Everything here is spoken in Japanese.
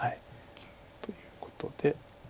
ということで。